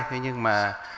thế nhưng mà